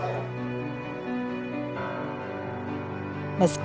peningkatan muslim di lombok